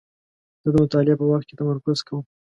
زه د مطالعې په وخت کې تمرکز کوم.